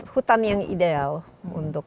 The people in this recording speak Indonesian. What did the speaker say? hutan yang ideal untuk